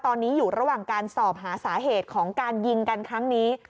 ตอนนี้อยู่ระหว่างการสอบหาสาเหตุของการยิงกันครั้งนี้